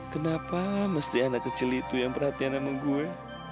kenapa mesti anak kecil itu yang perhatian sama gue